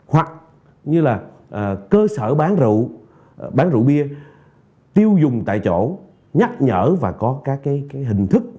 hoặc như là cơ sở bán rượu bán rượu bia tiêu dùng tại chỗ nhắc nhở và có các cái hình thức